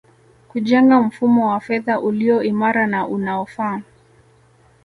Kujenga mfumo wa fedha ulio imara na unaofaa